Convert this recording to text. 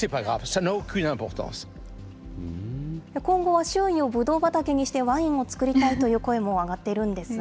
今後は周囲をブドウ畑にして、ワインを造りたいという声も上がっているんですが。